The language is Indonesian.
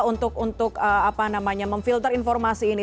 untuk memfilter informasi ini